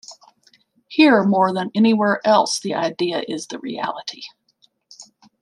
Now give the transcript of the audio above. Here more than anywhere else the idea is the reality.